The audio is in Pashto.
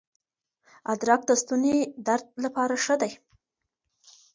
ادرک د ستوني درد لپاره ښه دی.